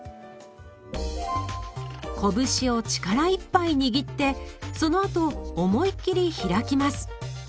こぶしを力いっぱい握ってそのあと思い切り開きます。